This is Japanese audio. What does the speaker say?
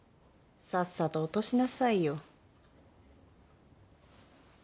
さっさと落としなさいよ。